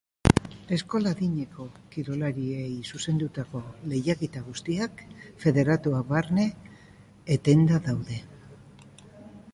Eskola-adineko kirolariei zuzendutako lehiaketa guztiak, federatuak barne, etenda daude.